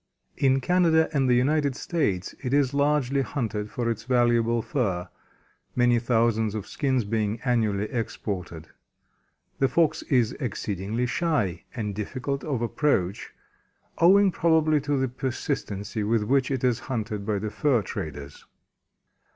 In Canada and the United States it is largely hunted for its valuable fur, many thousands of skins being annually exported. The Fox is exceedingly shy and difficult of approach, owing probably to the persistency with which it is hunted by the fur traders.